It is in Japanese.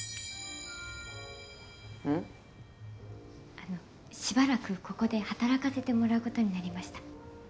あのしばらくここで働かせてもらうことになりました。